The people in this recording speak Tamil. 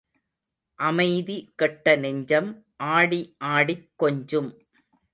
அமைதி கெட்ட நெஞ்சம் ஆடி ஆடிக் கொஞ்சும்.